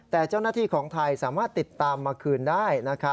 แต่เจ้าหน้าที่ของไทยสามารถติดตามมาคืนได้